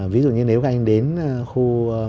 ví dụ như nếu anh đến khu